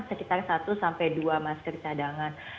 sekitar satu sampai dua masker cadangan